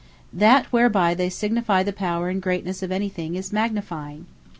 That whereby they signifie the power and greatness of anything is MAGNIFYING.